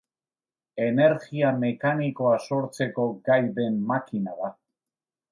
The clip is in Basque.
Energia mekanikoa sortzeko gai den makina da.